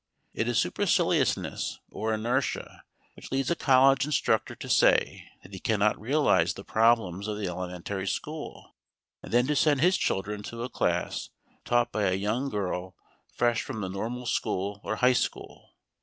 It is superciliousness or inertia which leads a college instructor to say that he cannot realize the problems of the elementary school, and then to send his children to a class taught by a young girl fresh from the normal school or high school.